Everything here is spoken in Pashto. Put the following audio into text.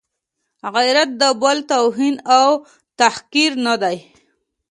غیرت د بل توهین او تحقیر نه دی.